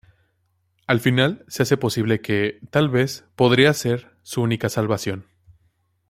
Al final, se hace posible que, tal vez, podría ser su única salvación.